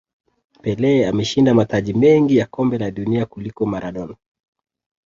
pele ameshinda mataji mengi ya kombe la dunia kuliko maradona